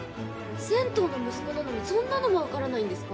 銭湯の息子なのに、そんなのも分からないんですか？